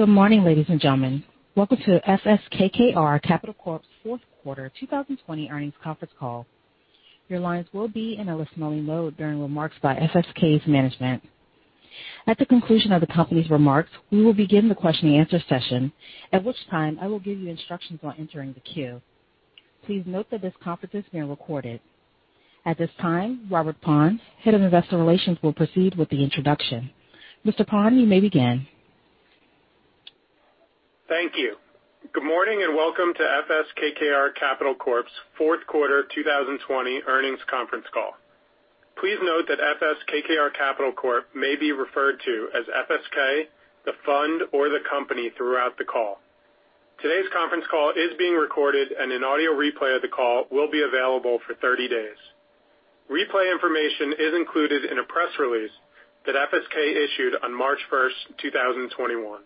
Good morning, ladies and gentlemen. Welcome to FS KKR Capital Corp's fourth quarter 2020 earnings conference call. Your lines will be in a listening mode during remarks by FSK's management. At the conclusion of the company's remarks, we will begin the question-and-answer session, at which time I will give you instructions on entering the queue. Please note that this conference is being recorded. At this time, Robert Paun, head of investor relations, will proceed with the introduction. Mr. Paun, you may begin. Thank you. Good morning and welcome to FS KKR Capital Corp's fourth quarter 2020 earnings conference call. Please note that FS KKR Capital Corp may be referred to as FSK, the fund, or the company throughout the call. Today's conference call is being recorded, and an audio replay of the call will be available for 30 days. Replay information is included in a press release that FSK issued on March 1st, 2021.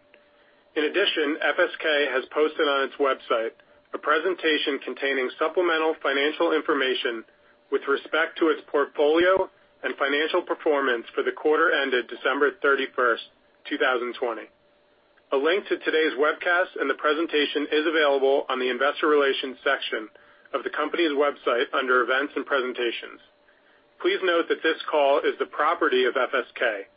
In addition, FSK has posted on its website a presentation containing supplemental financial information with respect to its portfolio and financial performance for the quarter ended December 31st, 2020. A link to today's webcast and the presentation is available on the investor relations section of the company's website under events and presentations. Please note that this call is the property of FSK.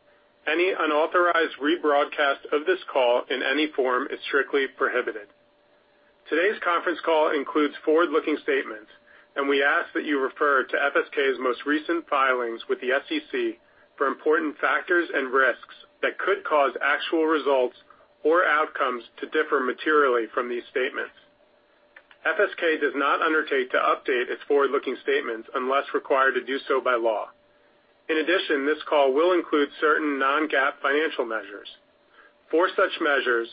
Any unauthorized rebroadcast of this call in any form is strictly prohibited. Today's conference call includes forward-looking statements, and we ask that you refer to FSK's most recent filings with the SEC for important factors and risks that could cause actual results or outcomes to differ materially from these statements. FSK does not undertake to update its forward-looking statements unless required to do so by law. In addition, this call will include certain non-GAAP financial measures. For such measures,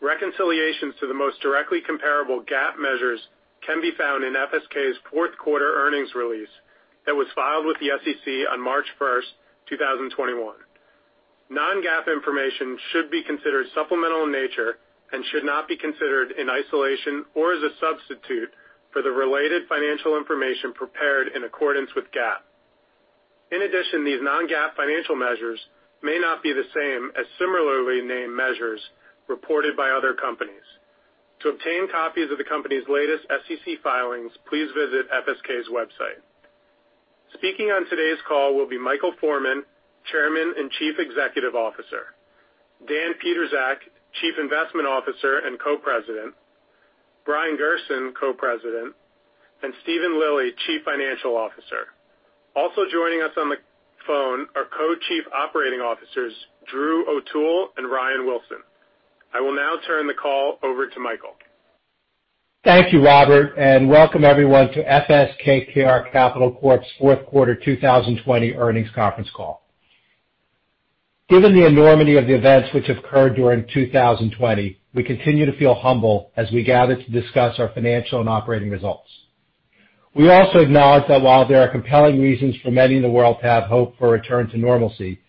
reconciliations to the most directly comparable GAAP measures can be found in FSK's fourth quarter earnings release that was filed with the SEC on March 1st, 2021. Non-GAAP information should be considered supplemental in nature and should not be considered in isolation or as a substitute for the related financial information prepared in accordance with GAAP. In addition, these non-GAAP financial measures may not be the same as similarly named measures reported by other companies. To obtain copies of the company's latest SEC filings, please visit FSK's website. Speaking on today's call will be Michael Forman, Chairman and Chief Executive Officer. Dan Pietrzak, Chief Investment Officer and Co-President. Brian Gerson, Co-President. And Steven Lilly, Chief Financial Officer. Also joining us on the phone are Co-Chief Operating Officers, Drew O'Toole and Ryan Wilson. I will now turn the call over to Michael. Thank you, Robert, and welcome everyone to FS KKR Capital Corp's fourth quarter 2020 earnings conference call. Given the enormity of the events which have occurred during 2020, we continue to feel humble as we gather to discuss our financial and operating results. We also acknowledge that while there are compelling reasons for many in the world to have hope for return to normalcy,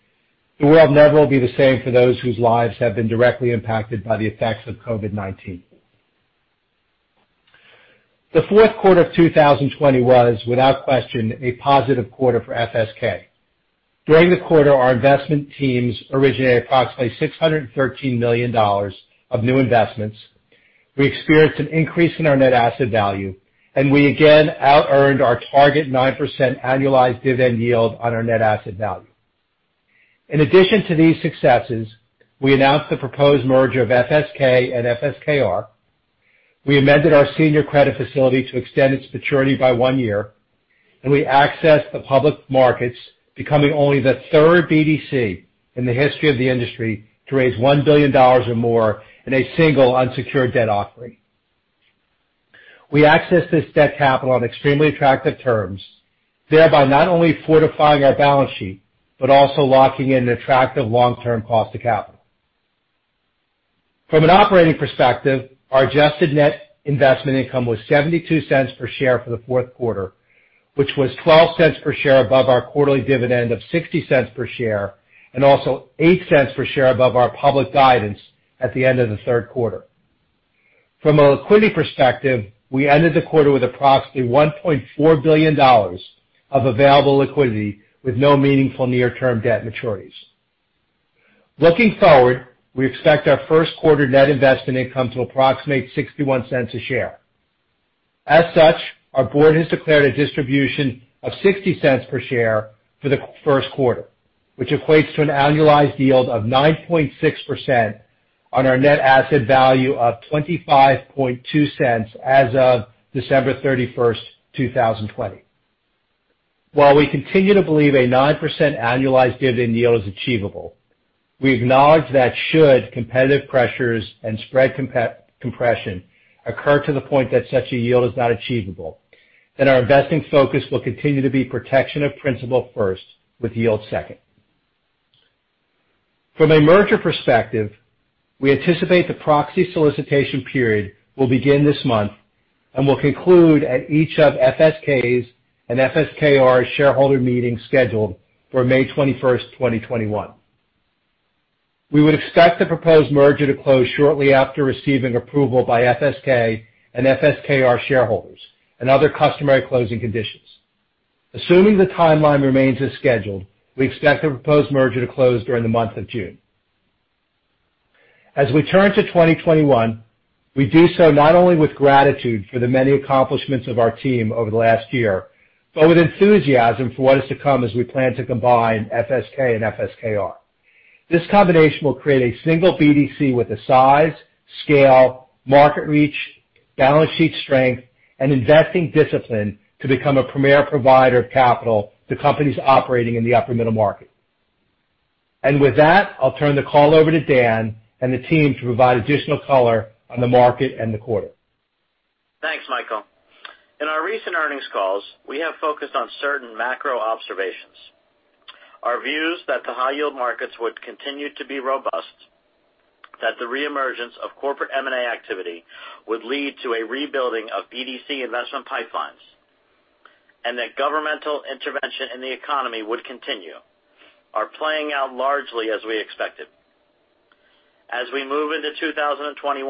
the world never will be the same for those whose lives have been directly impacted by the effects of COVID-19. The fourth quarter of 2020 was, without question, a positive quarter for FSK. During the quarter, our investment teams originated approximately $613 million of new investments. We experienced an increase in our net asset value, and we again out-earned our target 9% annualized dividend yield on our net asset value. In addition to these successes, we announced the proposed merger of FSK and FSKR. We amended our senior credit facility to extend its maturity by one year, and we accessed the public markets, becoming only the third BDC in the history of the industry to raise $1 billion or more in a single unsecured debt offering. We accessed this debt capital on extremely attractive terms, thereby not only fortifying our balance sheet but also locking in an attractive long-term cost of capital. From an operating perspective, our adjusted net investment income was $0.72 per share for the fourth quarter, which was $0.12 per share above our quarterly dividend of $0.60 per share and also $0.08 per share above our public guidance at the end of the third quarter. From a liquidity perspective, we ended the quarter with approximately $1.4 billion of available liquidity with no meaningful near-term debt maturities. Looking forward, we expect our first quarter net investment income to approximate $0.61 a share. As such, our board has declared a distribution of $0.60 per share for the first quarter, which equates to an annualized yield of 9.6% on our net asset value of $25.2 as of December 31st, 2020. While we continue to believe a 9% annualized dividend yield is achievable, we acknowledge that should competitive pressures and spread compression occur to the point that such a yield is not achievable, then our investing focus will continue to be protection of principal first with yield second. From a merger perspective, we anticipate the proxy solicitation period will begin this month and will conclude at each of FSK's and FSKR's shareholder meetings scheduled for May 21st, 2021. We would expect the proposed merger to close shortly after receiving approval by FSK and FSKR shareholders and other customary closing conditions. Assuming the timeline remains as scheduled, we expect the proposed merger to close during the month of June. As we turn to 2021, we do so not only with gratitude for the many accomplishments of our team over the last year but with enthusiasm for what is to come as we plan to combine FSK and FSKR. This combination will create a single BDC with the size, scale, market reach, balance sheet strength, and investing discipline to become a premier provider of capital to companies operating in the upper middle market, and with that, I'll turn the call over to Dan and the team to provide additional color on the market and the quarter. Thanks, Michael. In our recent earnings calls, we have focused on certain macro observations. Our views that the high-yield markets would continue to be robust, that the reemergence of corporate M&A activity would lead to a rebuilding of BDC Investment Pipelines, and that governmental intervention in the economy would continue are playing out largely as we expected. As we move into 2021,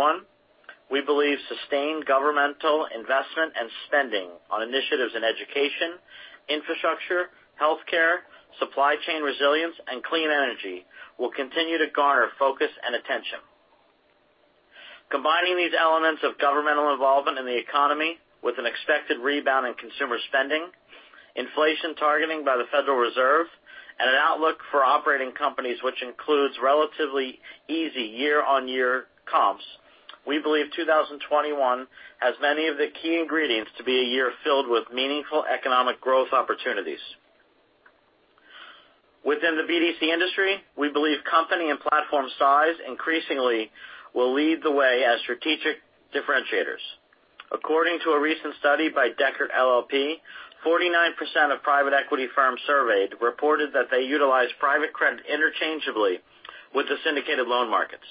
we believe sustained governmental investment and spending on initiatives in education, infrastructure, healthcare, supply chain resilience, and clean energy will continue to garner focus and attention. Combining these elements of governmental involvement in the economy with an expected rebound in consumer spending, inflation targeting by the Federal Reserve, and an outlook for operating companies which includes relatively easy year-on-year comps, we believe 2021 has many of the key ingredients to be a year filled with meaningful economic growth opportunities. Within the BDC industry, we believe company and platform size increasingly will lead the way as strategic differentiators. According to a recent study by Deckard LLP, 49% of private equity firms surveyed reported that they utilize private credit interchangeably with the syndicated loan markets,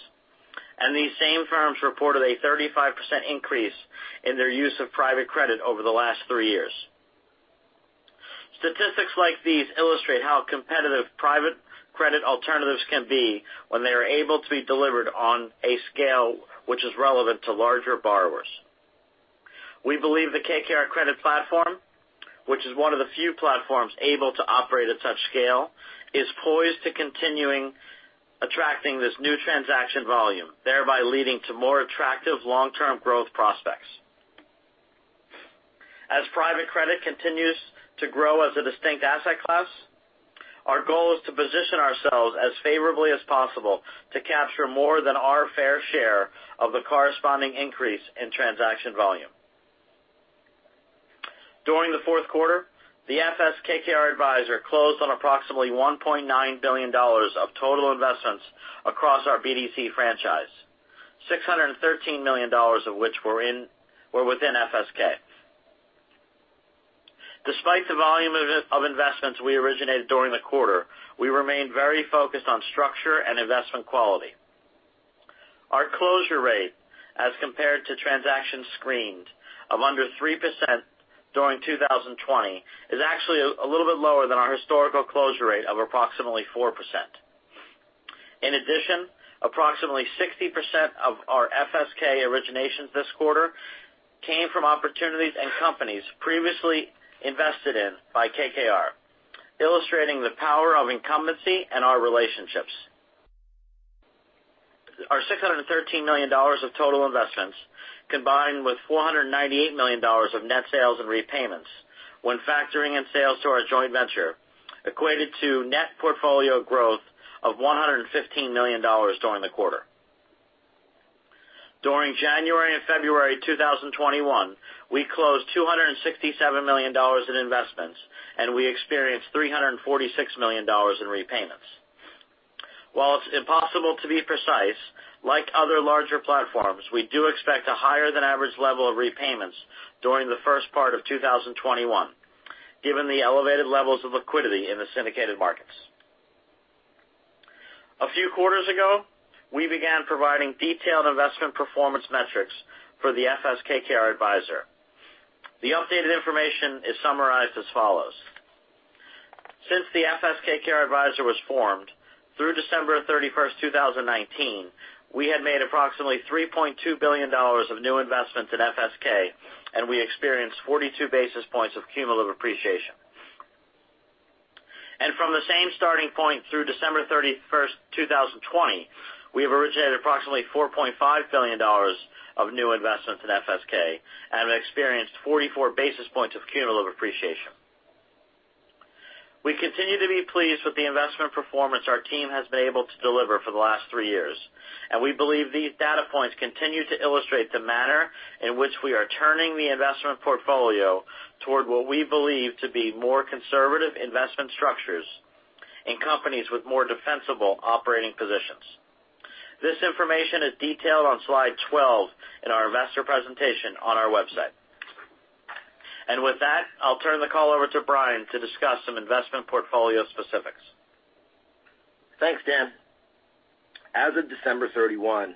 and these same firms reported a 35% increase in their use of private credit over the last three years. Statistics like these illustrate how competitive private credit alternatives can be when they are able to be delivered on a scale which is relevant to larger borrowers. We believe the KKR Credit Platform, which is one of the few platforms able to operate at such scale, is poised to continue attracting this new transaction volume, thereby leading to more attractive long-term growth prospects. As private credit continues to grow as a distinct asset class, our goal is to position ourselves as favorably as possible to capture more than our fair share of the corresponding increase in transaction volume. During the fourth quarter, the FS KKR Advisor closed on approximately $1.9 billion of total investments across our BDC franchise, $613 million of which were within FSK. Despite the volume of investments we originated during the quarter, we remained very focused on structure and investment quality. Our closure rate, as compared to transactions screened of under 3% during 2020, is actually a little bit lower than our historical closure rate of approximately 4%. In addition, approximately 60% of our FSK originations this quarter came from opportunities and companies previously invested in by KKR, illustrating the power of incumbency and our relationships. Our $613 million of total investments, combined with $498 million of net sales and repayments when factoring in sales to our joint venture, equated to net portfolio growth of $115 million during the quarter. During January and February 2021, we closed $267 million in investments, and we experienced $346 million in repayments. While it's impossible to be precise, like other larger platforms, we do expect a higher-than-average level of repayments during the first part of 2021, given the elevated levels of liquidity in the syndicated markets. A few quarters ago, we began providing detailed investment performance metrics for the FS KKR Advisor. The updated information is summarized as follows. Since the FS KKR Advisor was formed through December 31st, 2019, we had made approximately $3.2 billion of new investments in FSK, and we experienced 42 basis points of cumulative appreciation. And from the same starting point through December 31st, 2020, we have originated approximately $4.5 billion of new investments in FSK and have experienced 44 basis points of cumulative appreciation. We continue to be pleased with the investment performance our team has been able to deliver for the last three years, and we believe these data points continue to illustrate the manner in which we are turning the investment portfolio toward what we believe to be more conservative investment structures in companies with more defensible operating positions. This information is detailed on slide 12 in our investor presentation on our website. And with that, I'll turn the call over to Brian to discuss some investment portfolio specifics. Thanks, Dan. As of December 31,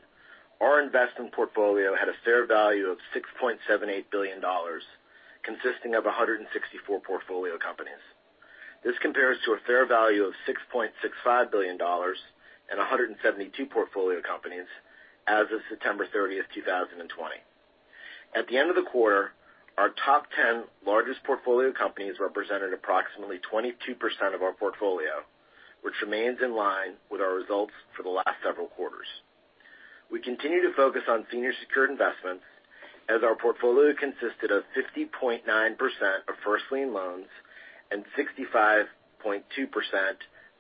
our investment portfolio had a fair value of $6.78 billion, consisting of 164 portfolio companies. This compares to a fair value of $6.65 billion and 172 portfolio companies as of September 30th, 2020. At the end of the quarter, our top 10 largest portfolio companies represented approximately 22% of our portfolio, which remains in line with our results for the last several quarters. We continue to focus on senior secured investments, as our portfolio consisted of 50.9% of first lien loans and 65.2%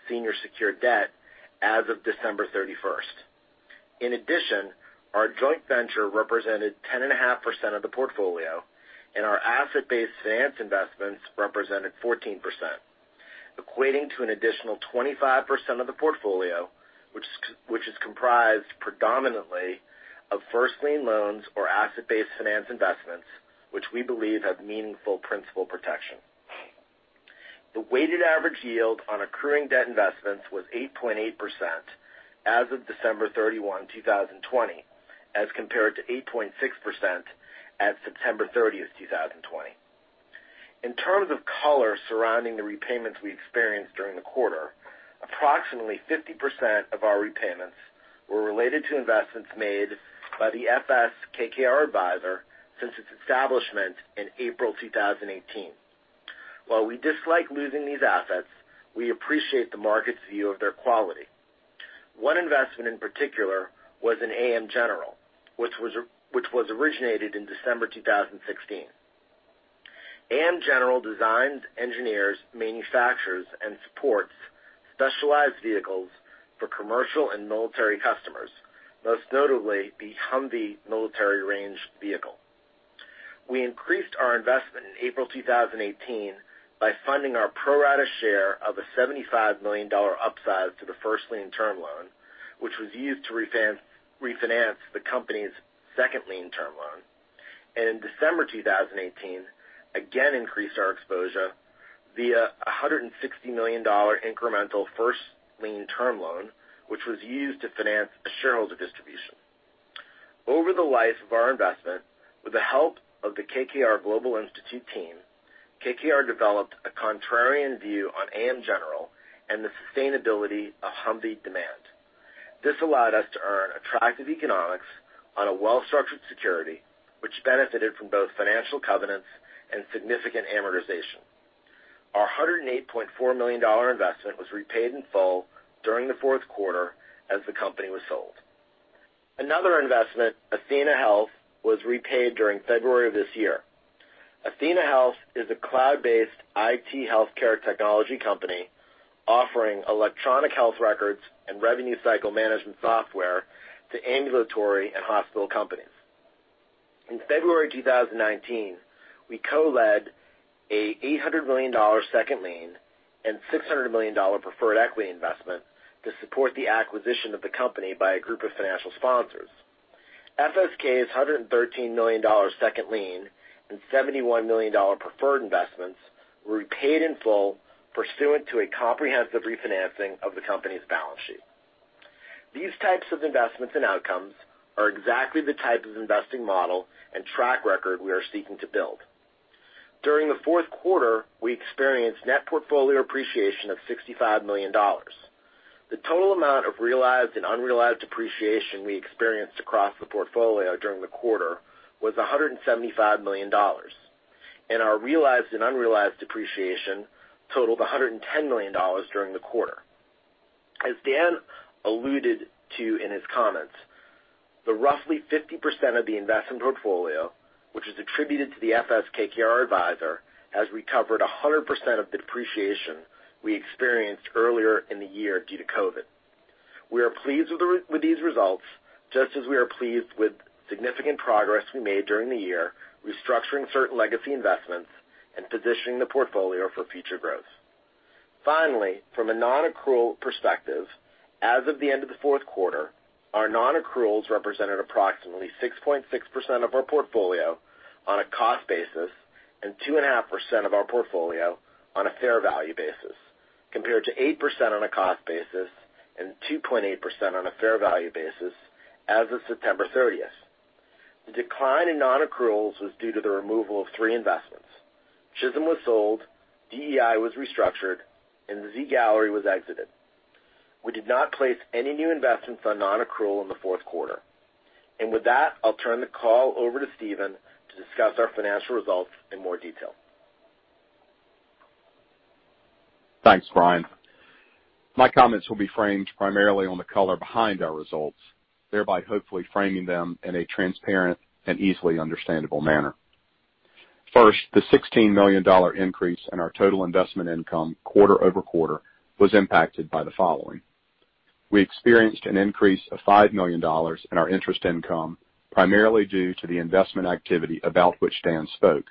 senior secured debt as of December 31st. In addition, our joint venture represented 10.5% of the portfolio, and our asset-based finance investments represented 14%, equating to an additional 25% of the portfolio, which is comprised predominantly of first lien loans or asset-based finance investments, which we believe have meaningful principal protection. The weighted average yield on accruing debt investments was 8.8% as of December 31, 2020, as compared to 8.6% at September 30th, 2020. In terms of color surrounding the repayments we experienced during the quarter, approximately 50% of our repayments were related to investments made by the FS KKR Advisor since its establishment in April 2018. While we dislike losing these assets, we appreciate the market's view of their quality. One investment in particular was in AM General, which was originated in December 2016. AM General designs, engineers, manufactures, and supports specialized vehicles for commercial and military customers, most notably the Humvee military range vehicle. We increased our investment in April 2018 by funding our pro-rata share of a $75 million upside to the first lien term loan, which was used to refinance the company's second lien term loan, and in December 2018, again increased our exposure via a $160 million incremental first lien term loan, which was used to finance a shareholder distribution. Over the life of our investment, with the help of the KKR Global Institute team, KKR developed a contrarian view on AM General and the sustainability of Humvee demand. This allowed us to earn attractive economics on a well-structured security, which benefited from both financial covenants and significant amortization. Our $108.4 million investment was repaid in full during the fourth quarter as the company was sold. Another investment, Athenahealth, was repaid during February of this year. Athenahealth is a cloud-based IT healthcare technology company offering electronic health records and revenue cycle management software to ambulatory and hospital companies. In February 2019, we co-led an $800 million second lien and $600 million preferred equity investment to support the acquisition of the company by a group of financial sponsors. FSK's $113 million second lien and $71 million preferred investments were repaid in full, pursuant to a comprehensive refinancing of the company's balance sheet. These types of investments and outcomes are exactly the type of investing model and track record we are seeking to build. During the fourth quarter, we experienced net portfolio appreciation of $65 million. The total amount of realized and unrealized appreciation we experienced across the portfolio during the quarter was $175 million, and our realized and unrealized appreciation totaled $110 million during the quarter. As Dan alluded to in his comments, the roughly 50% of the investment portfolio, which is attributed to the FS KKR Advisor, has recovered 100% of the depreciation we experienced earlier in the year due to COVID. We are pleased with these results, just as we are pleased with significant progress we made during the year restructuring certain legacy investments and positioning the portfolio for future growth. Finally, from a non-accrual perspective, as of the end of the fourth quarter, our non-accruals represented approximately 6.6% of our portfolio on a cost basis and 2.5% of our portfolio on a fair value basis, compared to 8% on a cost basis and 2.8% on a fair value basis as of September 30th. The decline in non-accruals was due to the removal of three investments. Chisholm was sold, DEI was restructured, and Z Gallery was exited. We did not place any new investments on non-accrual in the fourth quarter. And with that, I'll turn the call over to Steven to discuss our financial results in more detail. Thanks, Brian. My comments will be framed primarily on the color behind our results, thereby hopefully framing them in a transparent and easily understandable manner. First, the $16 million increase in our total investment income quarter over quarter was impacted by the following. We experienced an increase of $5 million in our interest income, primarily due to the investment activity about which Dan spoke,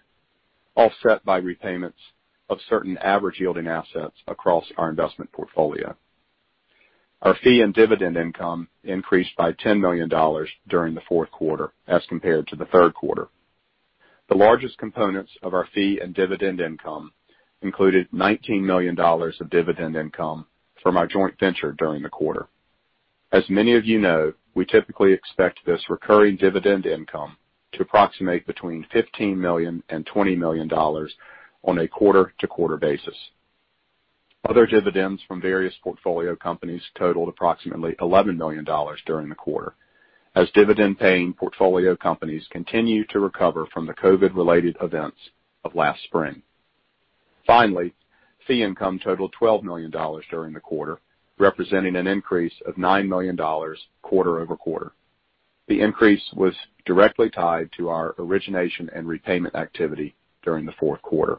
offset by repayments of certain average yielding assets across our investment portfolio. Our fee and dividend income increased by $10 million during the fourth quarter as compared to the third quarter. The largest components of our fee and dividend income included $19 million of dividend income from our joint venture during the quarter. As many of you know, we typically expect this recurring dividend income to approximate between $15 million and $20 million on a quarter-to-quarter basis. Other dividends from various portfolio companies totaled approximately $11 million during the quarter, as dividend-paying portfolio companies continue to recover from the COVID-related events of last spring. Finally, fee income totaled $12 million during the quarter, representing an increase of $9 million quarter over quarter. The increase was directly tied to our origination and repayment activity during the fourth quarter.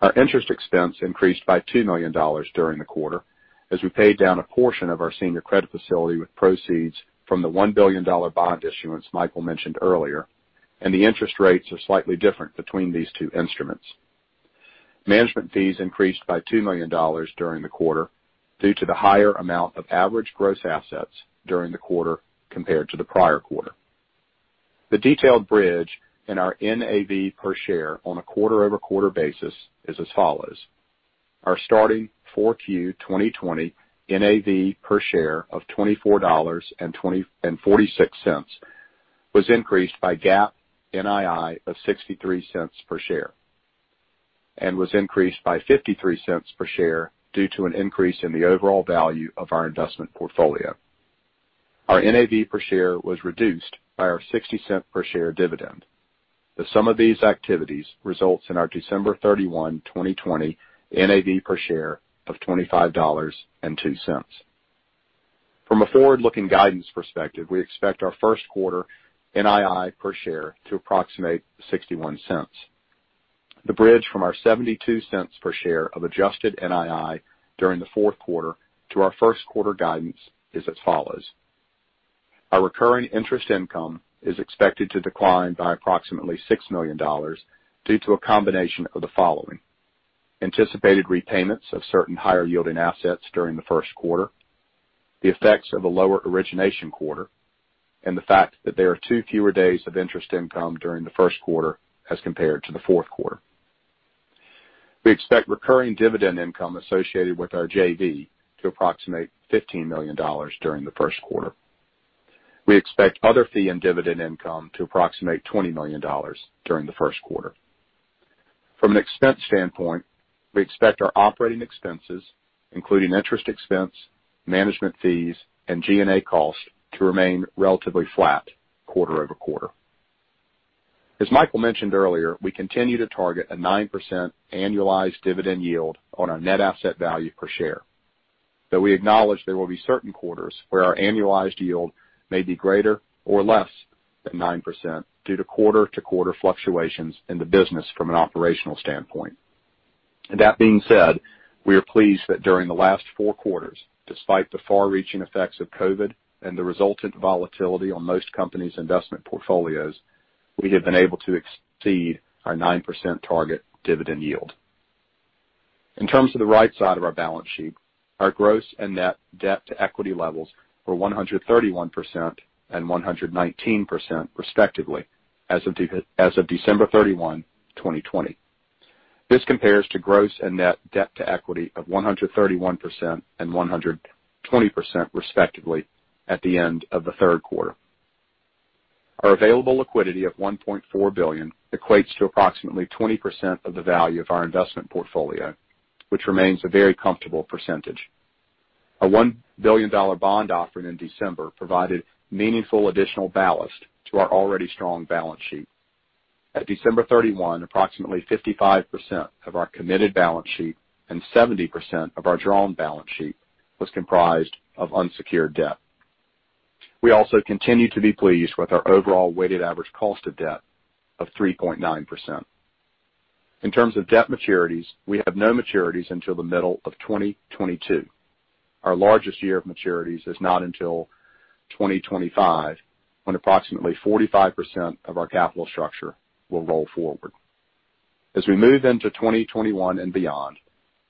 Our interest expense increased by $2 million during the quarter, as we paid down a portion of our senior credit facility with proceeds from the $1 billion bond issuance Michael mentioned earlier, and the interest rates are slightly different between these two instruments. Management fees increased by $2 million during the quarter due to the higher amount of average gross assets during the quarter compared to the prior quarter. The detailed bridge in our NAV per share on a quarter-over-quarter basis is as follows. Our starting 4Q 2020 NAV per share of $24.46 was increased by GAAP NII of $0.63 per share and was increased by $0.53 per share due to an increase in the overall value of our investment portfolio. Our NAV per share was reduced by our $0.60 per share dividend. The sum of these activities results in our December 31, 2020 NAV per share of $25.02. From a forward-looking guidance perspective, we expect our first quarter NII per share to approximate $0.61. The bridge from our $0.72 per share of adjusted NII during the fourth quarter to our first quarter guidance is as follows. Our recurring interest income is expected to decline by approximately $6 million due to a combination of the following: anticipated repayments of certain higher yielding assets during the first quarter, the effects of a lower origination quarter, and the fact that there are two fewer days of interest income during the first quarter as compared to the fourth quarter. We expect recurring dividend income associated with our JV to approximate $15 million during the first quarter. We expect other fee and dividend income to approximate $20 million during the first quarter. From an expense standpoint, we expect our operating expenses, including interest expense, management fees, and G&A cost, to remain relatively flat quarter over quarter. As Michael mentioned earlier, we continue to target a 9% annualized dividend yield on our net asset value per share, though we acknowledge there will be certain quarters where our annualized yield may be greater or less than 9% due to quarter-to-quarter fluctuations in the business from an operational standpoint. That being said, we are pleased that during the last four quarters, despite the far-reaching effects of COVID and the resultant volatility on most companies' investment portfolios, we have been able to exceed our 9% target dividend yield. In terms of the right side of our balance sheet, our gross and net debt to equity levels were 131% and 119%, respectively, as of December 31, 2020. This compares to gross and net debt to equity of 131% and 120%, respectively, at the end of the third quarter. Our available liquidity of $1.4 billion equates to approximately 20% of the value of our investment portfolio, which remains a very comfortable percentage. A $1 billion bond offering in December provided meaningful additional ballast to our already strong balance sheet. At December 31, approximately 55% of our committed balance sheet and 70% of our drawn balance sheet was comprised of unsecured debt. We also continue to be pleased with our overall weighted average cost of debt of 3.9%. In terms of debt maturities, we have no maturities until the middle of 2022. Our largest year of maturities is not until 2025, when approximately 45% of our capital structure will roll forward. As we move into 2021 and beyond,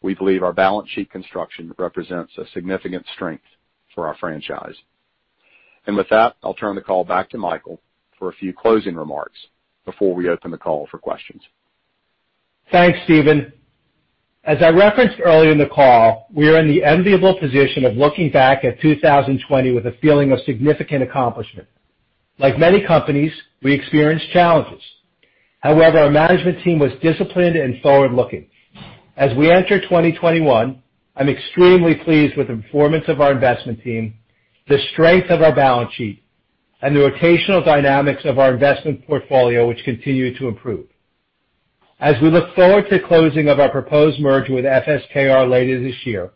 we believe our balance sheet construction represents a significant strength for our franchise. With that, I'll turn the call back to Michael for a few closing remarks before we open the call for questions. Thanks, Steven. As I referenced earlier in the call, we are in the enviable position of looking back at 2020 with a feeling of significant accomplishment. Like many companies, we experienced challenges. However, our management team was disciplined and forward-looking. As we enter 2021, I'm extremely pleased with the performance of our investment team, the strength of our balance sheet, and the rotational dynamics of our investment portfolio, which continue to improve. As we look forward to the closing of our proposed merger with FS KKR later this year,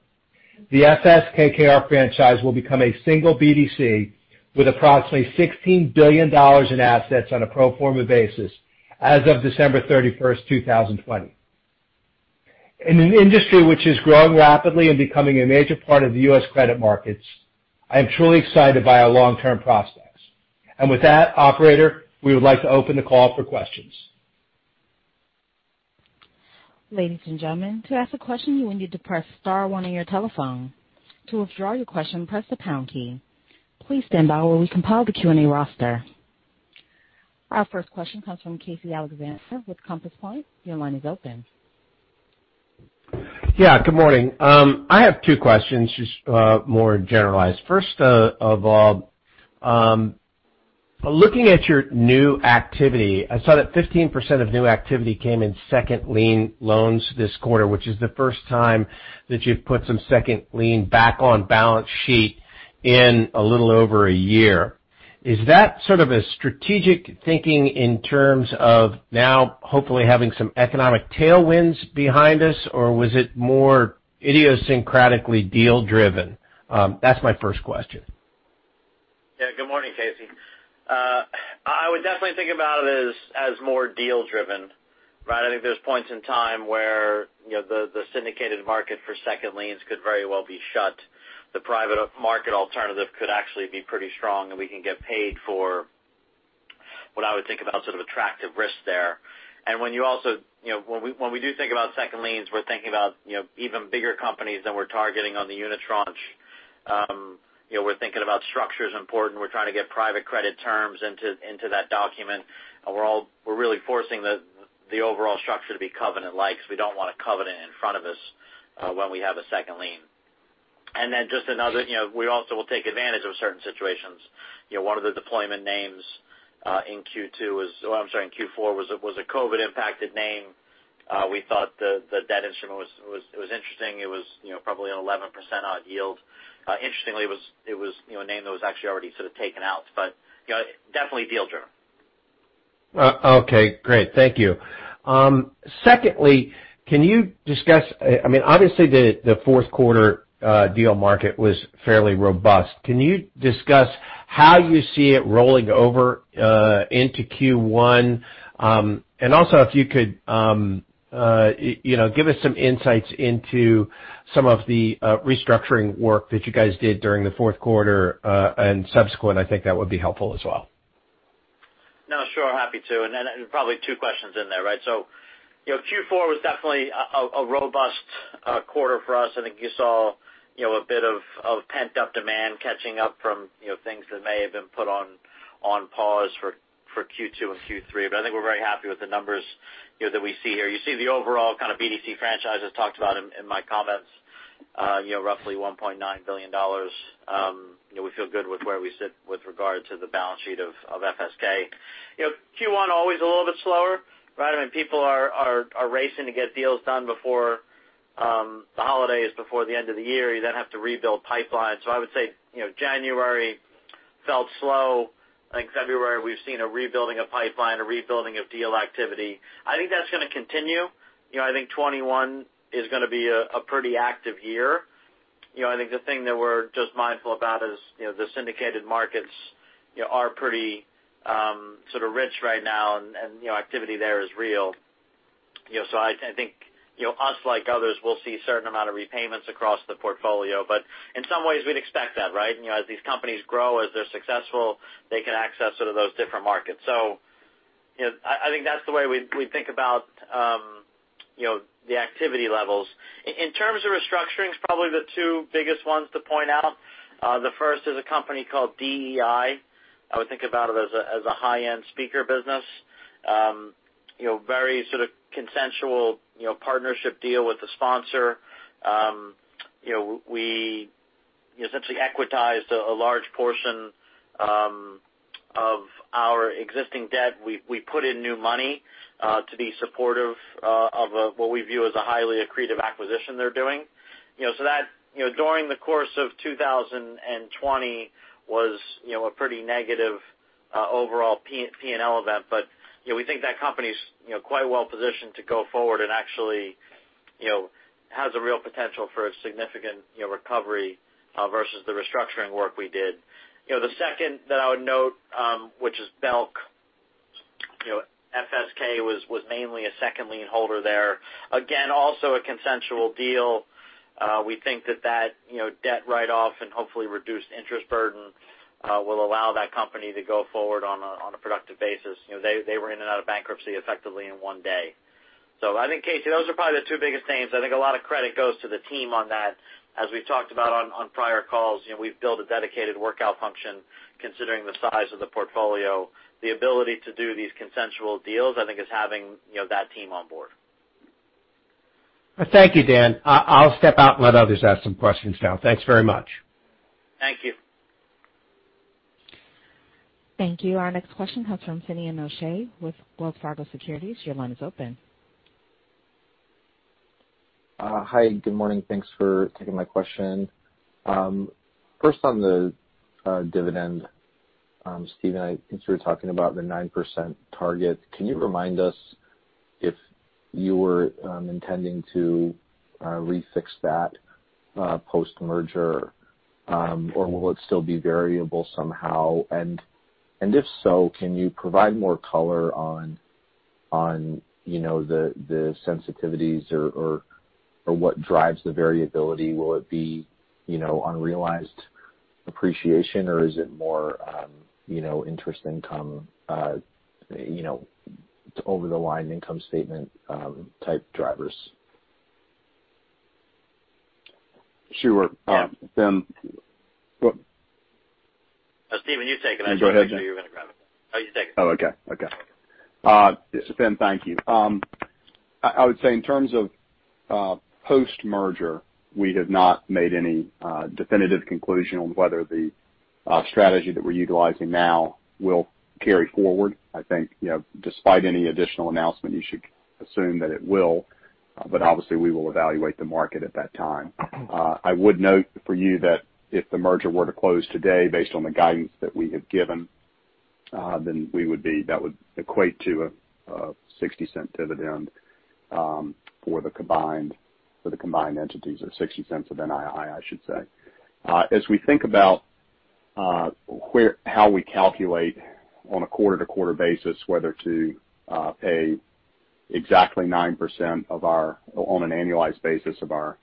the FS KKR franchise will become a single BDC with approximately $16 billion in assets on a pro forma basis as of December 31, 2020. In an industry which is growing rapidly and becoming a major part of the U.S. credit markets, I am truly excited by our long-term prospects. With that, Operator, we would like to open the call for questions. Ladies and gentlemen, to ask a question, you will need to press star one on your telephone. To withdraw your question, press the pound key. Please stand by while we compile the Q&A roster. Our first question comes from Casey Alexander with Compass Point. Your line is open. Yeah, good morning. I have two questions, just more generalized. First of all, looking at your new activity, I saw that 15% of new activity came in second lien loans this quarter, which is the first time that you've put some second lien back on balance sheet in a little over a year. Is that sort of a strategic thinking in terms of now hopefully having some economic tailwinds behind us, or was it more idiosyncratically deal-driven? That's my first question. Yeah, good morning, Casey. I would definitely think about it as more deal-driven, right? I think there's points in time where the syndicated market for second liens could very well be shut. The private market alternative could actually be pretty strong, and we can get paid for what I would think about sort of attractive risk there. And when we do think about second liens, we're thinking about even bigger companies than we're targeting on the unit tranche. We're thinking about structure is important. We're trying to get private credit terms into that document. We're really forcing the overall structure to be covenant-like. We don't want a covenant in front of us when we have a second lien. And then we also will take advantage of certain situations. One of the deployment names in Q2 was, oh, I'm sorry, in Q4 was a COVID-impacted name. We thought the debt instrument was interesting. It was probably an 11% odd yield. Interestingly, it was a name that was actually already sort of taken out, but definitely deal-driven. Okay, great. Thank you. Secondly, can you discuss, I mean, obviously, the fourth quarter deal market was fairly robust. Can you discuss how you see it rolling over into Q1? And also, if you could give us some insights into some of the restructuring work that you guys did during the fourth quarter and subsequent, I think that would be helpful as well. No, sure. Happy to. And probably two questions in there, right? So Q4 was definitely a robust quarter for us. I think you saw a bit of pent-up demand catching up from things that may have been put on pause for Q2 and Q3. But I think we're very happy with the numbers that we see here. You see the overall kind of BDC franchise as talked about in my comments, roughly $1.9 billion. We feel good with where we sit with regard to the balance sheet of FSK. Q1 always a little bit slower, right? I mean, people are racing to get deals done before the holidays, before the end of the year. You then have to rebuild pipelines. So I would say January felt slow. I think February we've seen a rebuilding of pipeline, a rebuilding of deal activity. I think that's going to continue. I think 2021 is going to be a pretty active year. I think the thing that we're just mindful about is the syndicated markets are pretty sort of rich right now, and activity there is real. So I think us, like others, we'll see a certain amount of repayments across the portfolio. But in some ways, we'd expect that, right? As these companies grow, as they're successful, they can access sort of those different markets. So I think that's the way we think about the activity levels. In terms of restructuring, it's probably the two biggest ones to point out. The first is a company called DEI. I would think about it as a high-end speaker business, very sort of consensual partnership deal with the sponsor. We essentially equitized a large portion of our existing debt. We put in new money to be supportive of what we view as a highly accretive acquisition they're doing. So that, during the course of 2020, was a pretty negative overall P&L event, but we think that company is quite well positioned to go forward and actually has a real potential for significant recovery versus the restructuring work we did. The second that I would note, which is Belk, FSK was mainly a second lien holder there. Again, also a consensual deal. We think that that debt write-off and hopefully reduced interest burden will allow that company to go forward on a productive basis. They were in and out of bankruptcy effectively in one day. So I think, Casey, those are probably the two biggest names. I think a lot of credit goes to the team on that. As we've talked about on prior calls, we've built a dedicated workout function considering the size of the portfolio. The ability to do these consensual deals, I think, is having that team on board. Thank you, Dan. I'll step out and let others ask some questions now. Thanks very much. Thank you. Thank you. Our next question comes from Finian O'Shea with Wells Fargo Securities. Your line is open. Hi, good morning. Thanks for taking my question. First, on the dividend, Steven, I think you were talking about the 9% target. Can you remind us if you were intending to refix that post-merger, or will it still be variable somehow? And if so, can you provide more color on the sensitivities or what drives the variability? Will it be unrealized appreciation, or is it more interest income, over-the-line income statement type drivers? Sure. Tim. Steven, you take it. I think you knew you were going to grab it. Oh, you take it. Oh, okay. Okay. Finian, thank you. I would say in terms of post-merger, we have not made any definitive conclusion on whether the strategy that we're utilizing now will carry forward. I think despite any additional announcement, you should assume that it will, but obviously, we will evaluate the market at that time. I would note for you that if the merger were to close today, based on the guidance that we have given, then we would be—that would equate to a $0.60 dividend for the combined entities, or $0.60 of NII, I should say. As we think about how we calculate on a quarter-to-quarter basis whether to pay exactly 9% of our—on an annualized basis of our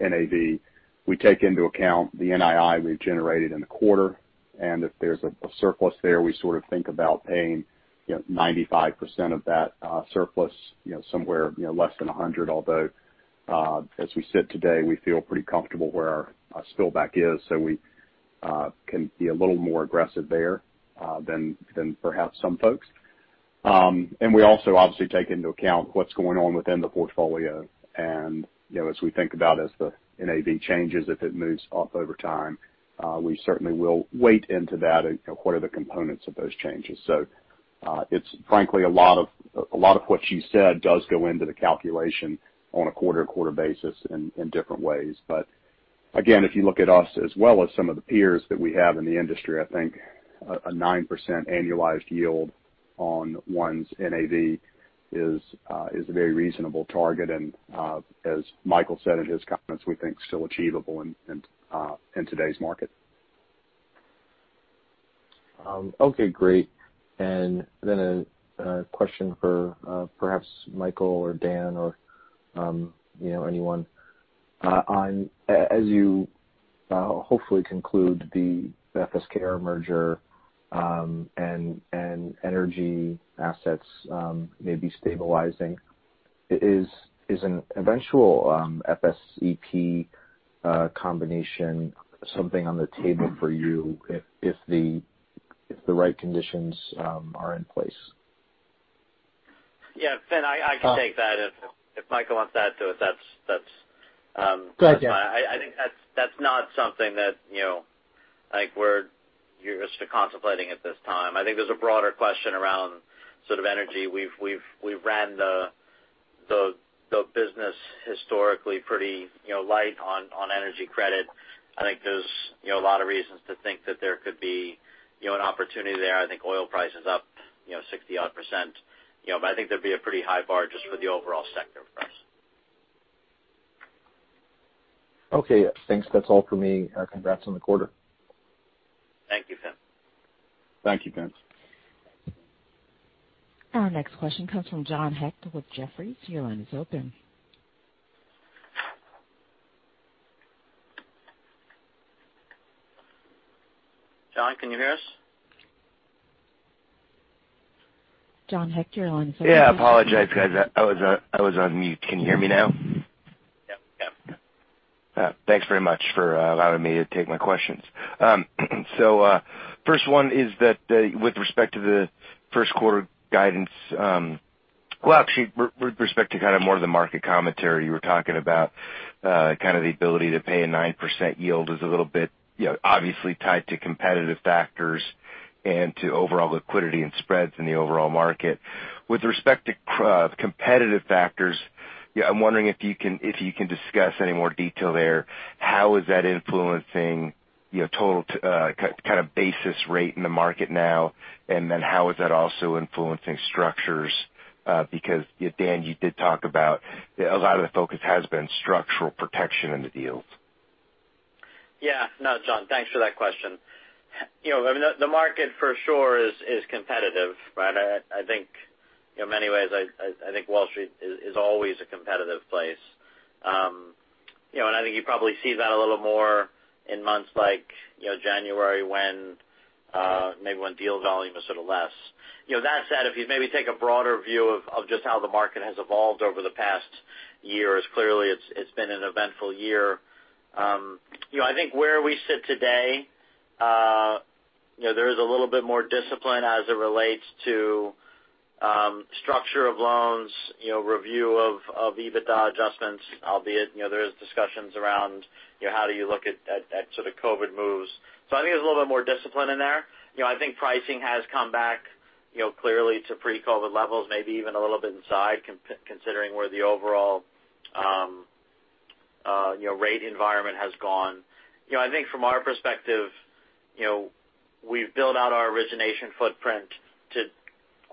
NAV, we take into account the NII we've generated in the quarter. And if there's a surplus there, we sort of think about paying 95% of that surplus somewhere less than 100, although as we sit today, we feel pretty comfortable where our spillback is, so we can be a little more aggressive there than perhaps some folks. And we also obviously take into account what's going on within the portfolio. And as we think about the NAV changes, if it moves up over time, we certainly will weight into that and what are the components of those changes. So it's frankly a lot of what you said does go into the calculation on a quarter-to-quarter basis in different ways. But again, if you look at us as well as some of the peers that we have in the industry, I think a 9% annualized yield on one's NAV is a very reasonable target. As Michael said in his comments, we think still achievable in today's market. Okay, great. And then a question for perhaps Michael or Dan or anyone. As you hopefully conclude the FSKR merger and energy assets may be stabilizing, is an eventual FSEP combination something on the table for you if the right conditions are in place? Yeah, Finn, I can take that. If Michael wants that, that's fine. I think that's not something that we're just contemplating at this time. I think there's a broader question around sort of energy. We've ran the business historically pretty light on energy credit. I think there's a lot of reasons to think that there could be an opportunity there. I think oil price is up 60-odd%, but I think there'd be a pretty high bar just for the overall sector price. Okay. Thanks. That's all for me. Congrats on the quarter. Thank you, Finn. Thank you, guys. Our next question comes from John Hecht with Jefferies. Your line is open. John, can you hear us? John Hecht, your line is open. Yeah, I apologize, guys. I was on mute. Can you hear me now? Yeah. Yeah. Thanks very much for allowing me to take my questions. So first one is that with respect to the first quarter guidance, well, actually, with respect to kind of more of the market commentary you were talking about, kind of the ability to pay a 9% yield is a little bit obviously tied to competitive factors and to overall liquidity and spreads in the overall market. With respect to competitive factors, I'm wondering if you can discuss any more detail there. How is that influencing total kind of basis rate in the market now? And then how is that also influencing structures? Because, Dan, you did talk about a lot of the focus has been structural protection in the deals. Yeah. No, John, thanks for that question. I mean, the market for sure is competitive, right? I think in many ways, I think Wall Street is always a competitive place, and I think you probably see that a little more in months like January when maybe deal volume is sort of less. That said, if you maybe take a broader view of just how the market has evolved over the past years, clearly it's been an eventful year. I think where we sit today, there is a little bit more discipline as it relates to structure of loans, review of EBITDA adjustments, albeit there are discussions around how do you look at sort of COVID moves. So I think there's a little bit more discipline in there. I think pricing has come back clearly to pre-COVID levels, maybe even a little bit inside, considering where the overall rate environment has gone. I think from our perspective, we've built out our origination footprint to,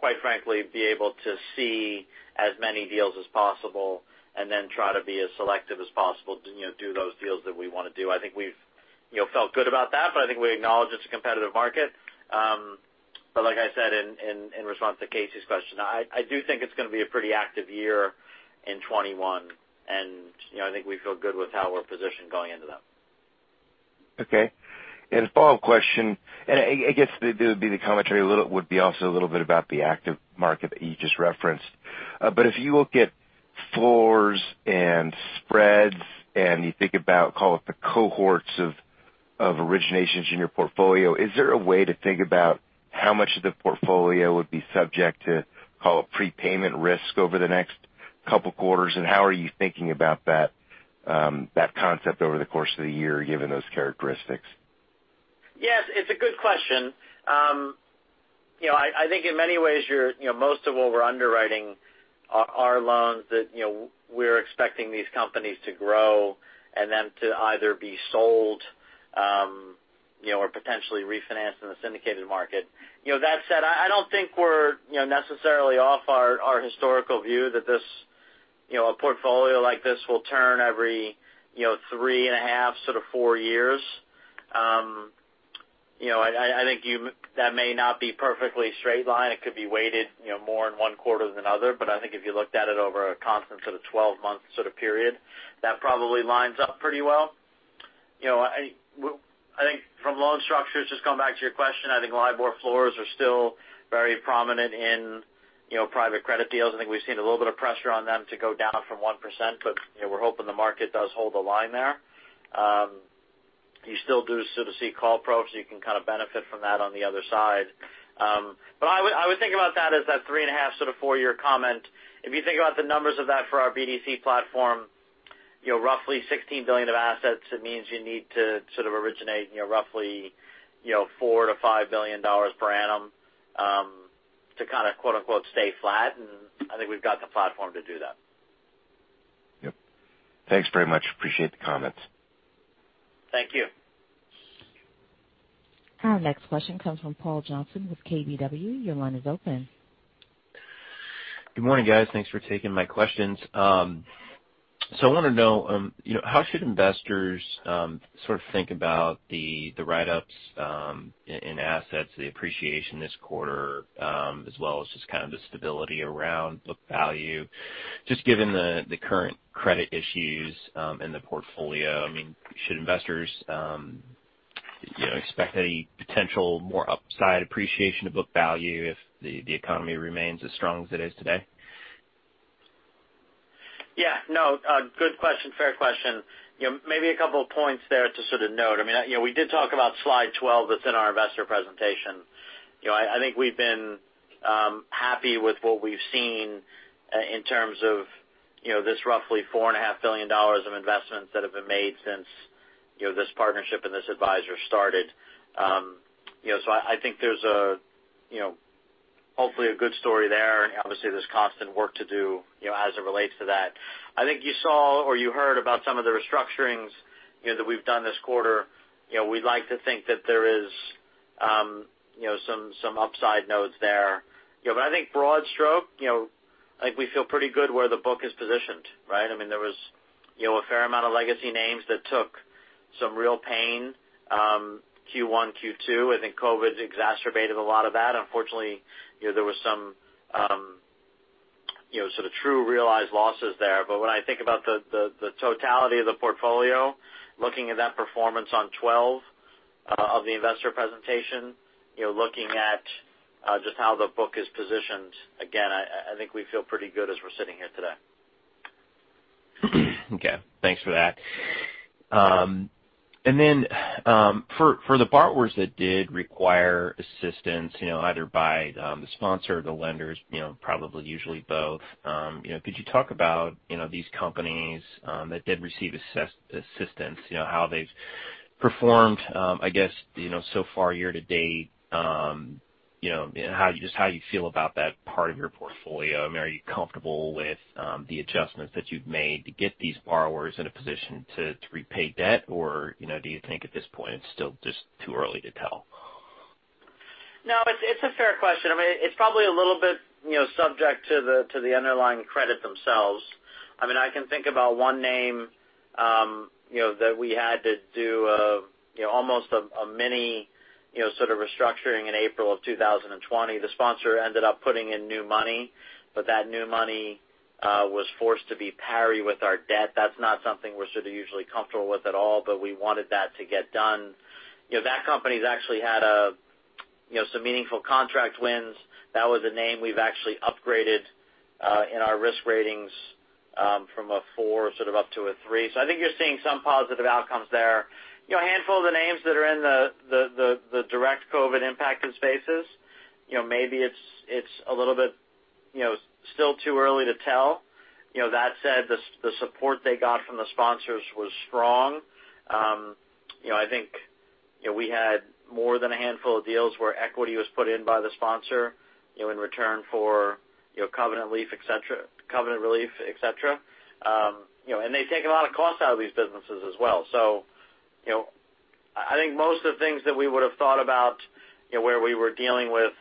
quite frankly, be able to see as many deals as possible and then try to be as selective as possible to do those deals that we want to do. I think we've felt good about that, but I think we acknowledge it's a competitive market. But like I said, in response to Casey's question, I do think it's going to be a pretty active year in 2021, and I think we feel good with how we're positioned going into that. Okay. And a follow-up question. And I guess the commentary would be also a little bit about the active market that you just referenced. But if you look at floors and spreads and you think about, call it, the cohorts of originations in your portfolio, is there a way to think about how much of the portfolio would be subject to, call it, prepayment risk over the next couple of quarters? And how are you thinking about that concept over the course of the year given those characteristics? Yes, it's a good question. I think in many ways, most of what we're underwriting are loans that we're expecting these companies to grow and then to either be sold or potentially refinanced in the syndicated market. That said, I don't think we're necessarily off our historical view that a portfolio like this will turn every three and a half, sort of four years. I think that may not be perfectly straight line. It could be weighted more in one quarter than another. But I think if you looked at it over a constant sort of 12-month sort of period, that probably lines up pretty well. I think from loan structures, just going back to your question, I think LIBOR floors are still very prominent in private credit deals. I think we've seen a little bit of pressure on them to go down from 1%, but we're hoping the market does hold a line there. You still do sort of see call protection, so you can kind of benefit from that on the other side. But I would think about that as that three and a half, sort of four-year comment. If you think about the numbers of that for our BDC platform, roughly $16 billion of assets, it means you need to sort of originate roughly $4 billion-$5 billion per annum to kind of, quote-unquote, "stay flat." I think we've got the platform to do that. Yep. Thanks very much. Appreciate the comments. Thank you. Our next question comes from Paul Johnson with KBW. Your line is open. Good morning, guys. Thanks for taking my questions. So I want to know how should investors sort of think about the write-ups in assets, the appreciation this quarter, as well as just kind of the stability around book value, just given the current credit issues in the portfolio? I mean, should investors expect any potential more upside appreciation to book value if the economy remains as strong as it is today? Yeah. No, good question, fair question. Maybe a couple of points there to sort of note. I mean, we did talk about slide 12 that's in our investor presentation. I think we've been happy with what we've seen in terms of this roughly $4.5 billion of investments that have been made since this partnership and this advisor started. So I think there's hopefully a good story there. Obviously, there's constant work to do as it relates to that. I think you saw or you heard about some of the restructurings that we've done this quarter. We'd like to think that there is some upside in those there. But I think broad stroke, I think we feel pretty good where the book is positioned, right? I mean, there was a fair amount of legacy names that took some real pain Q1, Q2. I think COVID exacerbated a lot of that. Unfortunately, there were some sort of true realized losses there. But when I think about the totality of the portfolio, looking at that performance on 12 of the investor presentation, looking at just how the book is positioned, again, I think we feel pretty good as we're sitting here today. Okay. Thanks for that. And then for the borrowers that did require assistance, either by the sponsor or the lenders, probably usually both, could you talk about these companies that did receive assistance, how they've performed, I guess, so far year to date, and just how you feel about that part of your portfolio? I mean, are you comfortable with the adjustments that you've made to get these borrowers in a position to repay debt, or do you think at this point it's still just too early to tell? No, it's a fair question. I mean, it's probably a little bit subject to the underlying credit themselves. I mean, I can think about one name that we had to do almost a mini sort of restructuring in April of 2020. The sponsor ended up putting in new money, but that new money was forced to be pari passu with our debt. That's not something we're sort of usually comfortable with at all, but we wanted that to get done. That company's actually had some meaningful contract wins. That was a name we've actually upgraded in our risk ratings from a four sort of up to a three. So I think you're seeing some positive outcomes there. A handful of the names that are in the direct COVID-impacted spaces, maybe it's a little bit still too early to tell. That said, the support they got from the sponsors was strong. I think we had more than a handful of deals where equity was put in by the sponsor in return for covenant relief, etc., and they take a lot of costs out of these businesses as well, so I think most of the things that we would have thought about where we were dealing with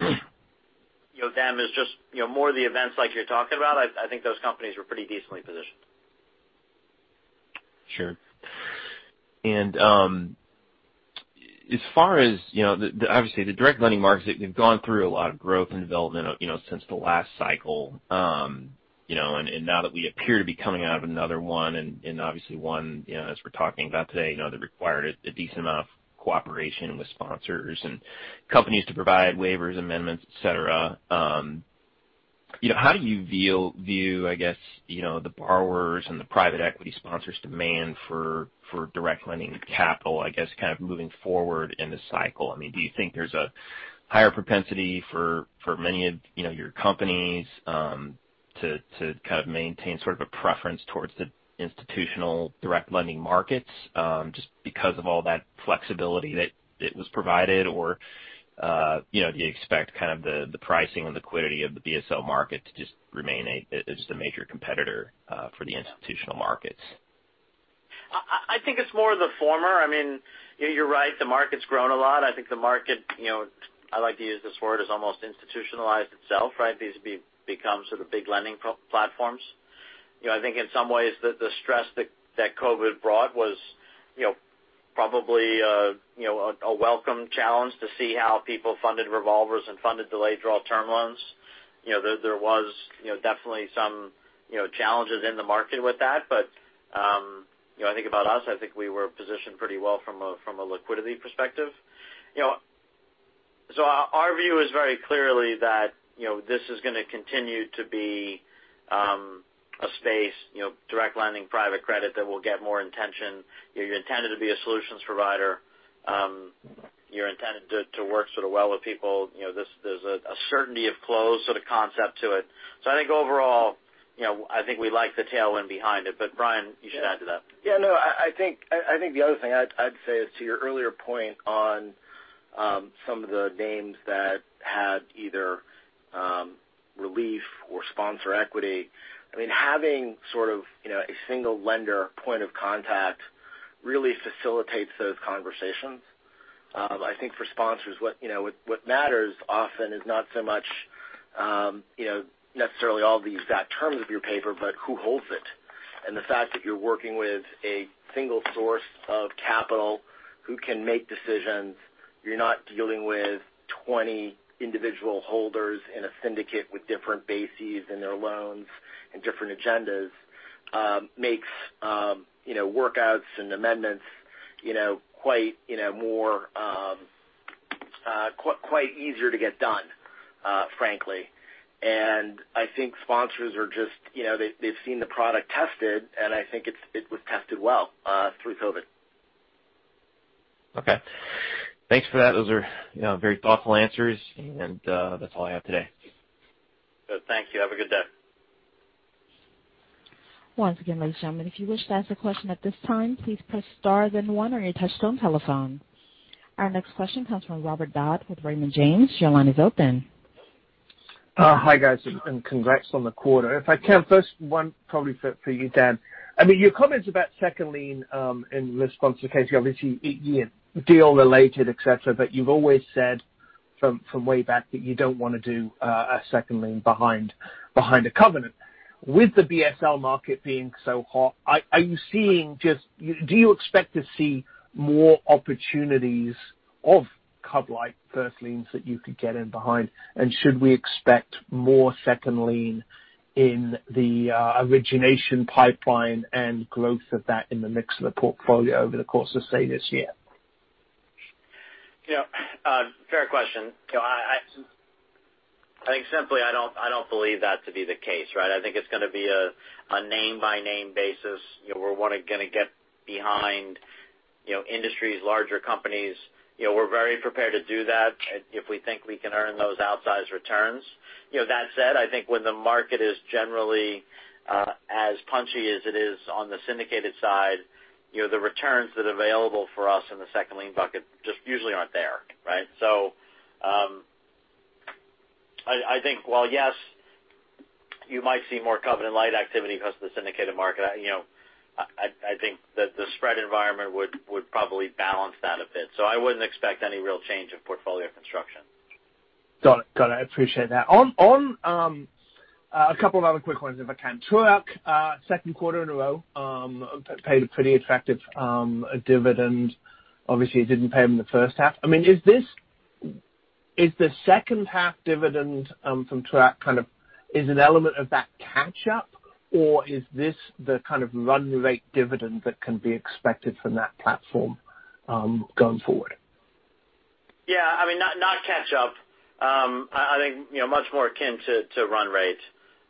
them is just more of the events like you're talking about. I think those companies were pretty decently positioned. Sure. And as far as, obviously, the direct lending markets, they've gone through a lot of growth and development since the last cycle. And now that we appear to be coming out of another one, and obviously one, as we're talking about today, that required a decent amount of cooperation with sponsors and companies to provide waivers, amendments, etc. How do you view, I guess, the borrowers and the private equity sponsors' demand for direct lending capital, I guess, kind of moving forward in the cycle? I mean, do you think there's a higher propensity for many of your companies to kind of maintain sort of a preference towards the institutional direct lending markets just because of all that flexibility that it was provided? Or do you expect kind of the pricing and liquidity of the BSL market to just remain just a major competitor for the institutional markets? I think it's more of the former. I mean, you're right. The market's grown a lot. I think the market, I like to use this word, has almost institutionalized itself, right? These have become sort of big lending platforms. I think in some ways that the stress that COVID brought was probably a welcome challenge to see how people funded revolvers and funded delayed draw term loans. There was definitely some challenges in the market with that, but I think about us, I think we were positioned pretty well from a liquidity perspective, so our view is very clearly that this is going to continue to be a space, direct lending private credit that will get more attention. You're intended to be a solutions provider. You're intended to work sort of well with people. There's a certainty of close sort of concept to it. So I think overall, I think we like the tailwind behind it. But Brian, you should add to that. Yeah. No, I think the other thing I'd say is to your earlier point on some of the names that had either relief or sponsor equity. I mean, having sort of a single lender point of contact really facilitates those conversations. I think for sponsors, what matters often is not so much necessarily all the exact terms of your paper, but who holds it. And the fact that you're working with a single source of capital who can make decisions, you're not dealing with 20 individual holders in a syndicate with different bases in their loans and different agendas, makes workouts and amendments quite easier to get done, frankly. And I think sponsors are just, they've seen the product tested, and I think it was tested well through COVID. Okay. Thanks for that. Those are very thoughtful answers, and that's all I have today. Thank you. Have a good day. Once again, ladies and gentlemen, if you wish to ask a question at this time, please press star then one on your touch-tone telephone. Our next question comes from Robert Dodd with Raymond James. Your line is open. Hi, guys. And, congrats on the quarter. If I can, first one probably for you, Dan. I mean, your comments about second lien in the sponsor case, obviously deal related, etc. But you've always said from way back that you don't want to do a second lien behind a covenant. With the BSL market being so hot, are you seeing just, do you expect to see more opportunities of covenant-lite first liens that you could get in behind? And should we expect more second lien in the origination pipeline and growth of that in the mix of the portfolio over the course of, say, this year? Yeah. Fair question. I think simply, I don't believe that to be the case, right? I think it's going to be a name-by-name basis. We're going to get behind industries, larger companies. We're very prepared to do that if we think we can earn those outsized returns. That said, I think when the market is generally as punchy as it is on the syndicated side, the returns that are available for us in the second lien bucket just usually aren't there, right? So I think, well, yes, you might see more Covenant Light activity because of the syndicated market. I think that the spread environment would probably balance that a bit. So I wouldn't expect any real change in portfolio construction. Got it. Got it. I appreciate that. On a couple of other quick ones, if I can. Truist, second quarter in a row, paid a pretty attractive dividend. Obviously, it didn't pay them the first half. I mean, is the second half dividend from Truist kind of is an element of that catch-up, or is this the kind of run rate dividend that can be expected from that platform going forward? Yeah. I mean, not catch-up. I think much more akin to run rate.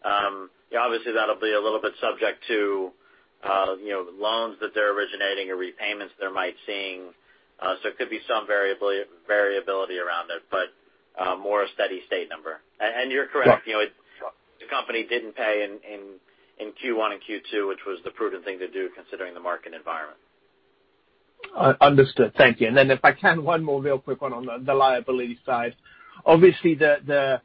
Obviously, that'll be a little bit subject to loans that they're originating or repayments they might be seeing. So it could be some variability around it, but more a steady state number. And you're correct. The company didn't pay in Q1 and Q2, which was the prudent thing to do considering the market environment. Understood. Thank you. And then if I can, one more real quick one on the liability side. Obviously, the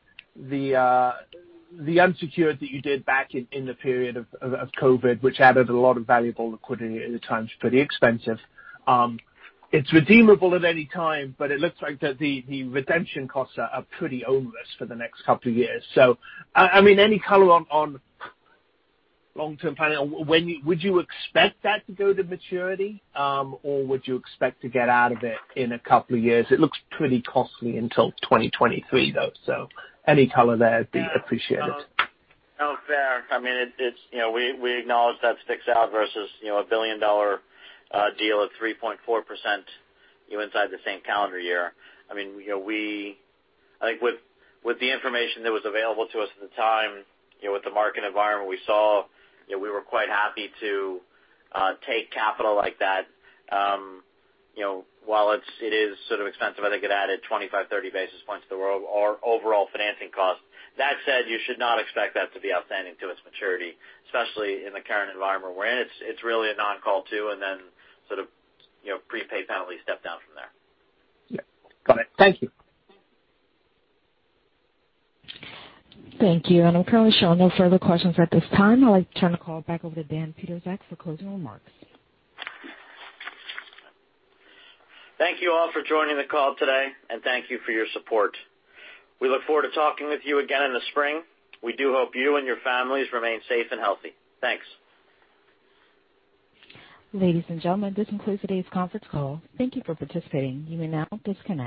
unsecured that you did back in the period of COVID, which added a lot of valuable liquidity at the time, is pretty expensive. It's redeemable at any time, but it looks like that the redemption costs are pretty onerous for the next couple of years. So I mean, any color on long-term planning? Would you expect that to go to maturity, or would you expect to get out of it in a couple of years? It looks pretty costly until 2023, though. So any color there would be appreciated. No, fair. I mean, we acknowledge that sticks out versus a $1 billion deal at 3.4% inside the same calendar year. I mean, I think with the information that was available to us at the time, with the market environment we saw, we were quite happy to take capital like that. While it is sort of expensive, I think it added 25-30 basis points to the overall financing cost. That said, you should not expect that to be outstanding to its maturity, especially in the current environment we're in. It's really a non-call 2, and then sort of prepay penalty step down from there. Yeah. Got it. Thank you. Thank you, and I'm currently showing no further questions at this time. I'd like to turn the call back over to Dan Pietrzak for closing remarks. Thank you all for joining the call today, and thank you for your support. We look forward to talking with you again in the spring. We do hope you and your families remain safe and healthy. Thanks. Ladies and gentlemen, this concludes today's conference call. Thank you for participating. You may now disconnect.